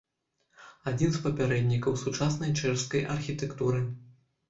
Адзін з папярэднікаў сучаснай чэшскай архітэктуры.